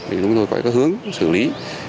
thì chúng tôi có hướng xử lý